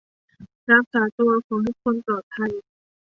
รักษาตัว ขอให้ทุกคนปลอดภัย